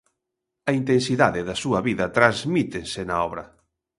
A intensidade da súa vida transmítese na obra.